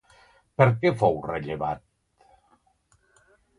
Per què fou rellevat?